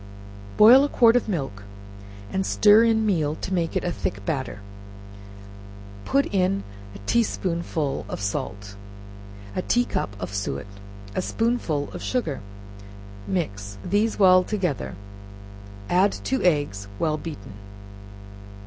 Boil a quart of milk, and stir in meal to make it a thick batter; put in a tea spoonful of salt, a tea cup of suet, a spoonful of sugar; mix; these well together, add two eggs, well beaten.